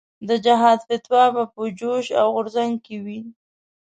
د جهاد فتوا به په جوش او غورځنګ کې وي.